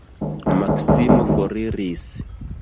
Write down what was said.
Maksimo foriris.